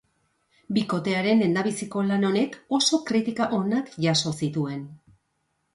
Bikotearen lehendabiziko lan honek oso kritika onak jaso zituen.